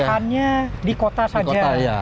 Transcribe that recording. tidak hanya di kota saja